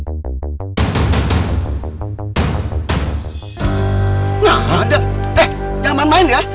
eh jangan main ya